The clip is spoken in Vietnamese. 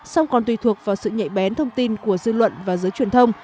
song còn tùy thuộc vào sự nhạy bén thông tin của dư luận và giới truyền thông